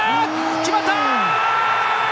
決まった！